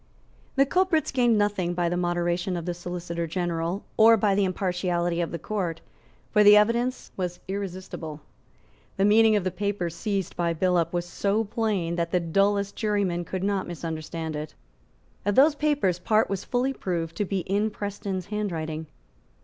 The culprits gained nothing by the moderation of the Solicitor General or by the impartiality of the Court; for the evidence was irresistible. The meaning of the papers seized by Billop was so plain that the dullest juryman could not misunderstand it. Of those papers part was fully proved to be in Preston's handwriting.